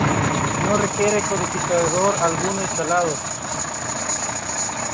No requiere codificador alguno instalado.